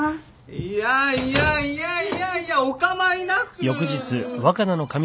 いやいやいやいやいやお構いなく！